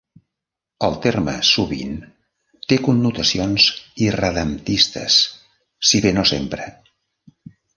El terme sovint té connotacions irredemptistes, si bé no sempre.